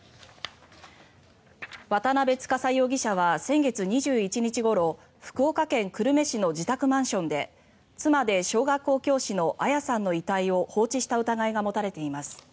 渡邉司容疑者は先月２１日ごろ福岡県久留米市の自宅マンションで妻で小学校教師の彩さんの遺体を放置した疑いが持たれています。